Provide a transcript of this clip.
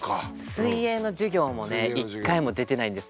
水泳の授業もね一回も出てないんです